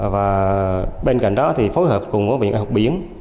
và bên cạnh đó thì phối hợp cùng với bệnh viện học biển